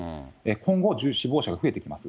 今後、死亡者が増えてきます。